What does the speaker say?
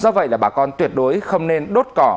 do vậy là bà con tuyệt đối không nên đốt cỏ